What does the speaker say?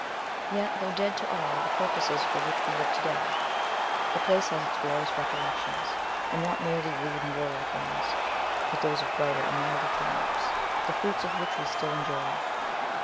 Yet, though dead to all the purposes for which we live to day, the place has its glorious recollections, and not merely rude and warlike ones, but those of brighter and milder triumphs, the fruits of which we still enjoy.